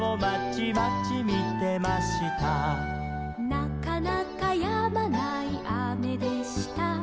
「なかなかやまないあめでした」